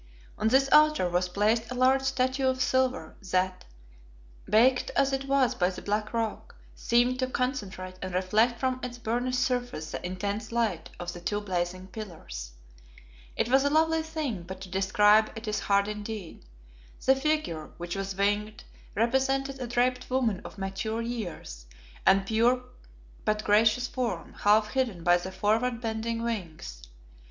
On this altar was placed a large statue of silver, that, backed as it was by the black rock, seemed to concentrate and reflect from its burnished surface the intense light of the two blazing pillars. It was a lovely thing, but to describe it is hard indeed. The figure, which was winged, represented a draped woman of mature years, and pure but gracious form, half hidden by the forward bending wings.